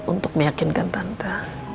untuk meyakinkan tante